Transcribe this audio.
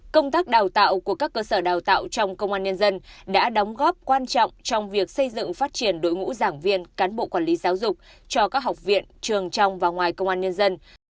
công tác đào tạo của các cơ sở đào tạo trong công an nhân dân đã đóng góp quan trọng trong việc xây dựng phát triển đội ngũ giảng viên cán bộ quản lý giáo dục cho các học viện trường trong và ngoài công an nhân dân